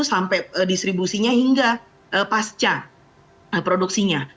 sampai distribusinya hingga pasca produksinya